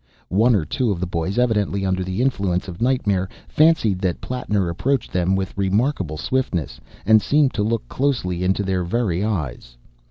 One or two of the boys, evidently under the influence of nightmare, fancied that Plattner approached them with remarkable swiftness, and seemed to look closely into their very eyes.